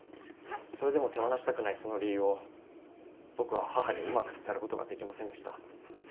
それでも手放したくないその理由を僕は母にうまく伝えることができませんでした。